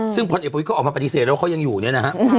ซึ่งพรเอ็ดโปรวิกเขาออกมาปฏิเสธแล้วเขายังอยู่เนี่ยนะฮะ